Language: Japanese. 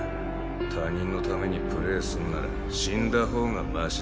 他人のためにプレーすんなら死んだほうがマシだ。